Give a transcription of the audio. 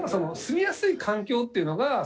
住みやすい環境っていうのが。